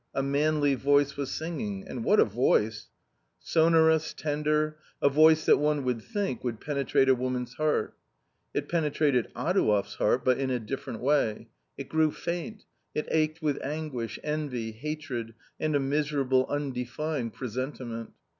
A manly voice was singing — and what a voice ! Sonorous, tender, a voice that one would think would penetrate a woman's heart. It penetrated Adouev's heart, but in a different way ; it grew faint, it ached with anguish, envy, hatred, and a miserable undefined presenti ment.